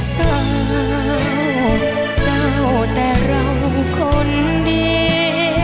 เซาเซาแต่เราคนดี